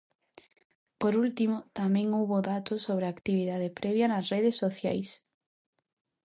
Por último tamén houbo datos sobre a actividade previa nas redes sociais.